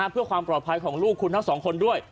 เพื่อความปลอดภัยของลูกคุณทั้งสองคนด้วย